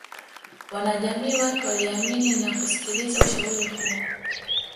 Wanajamii wake waliamini na kusikiliza ushauri huo